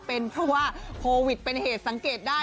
เป็นเพราะว่าโควิดเป็นเหตุสังเกตได้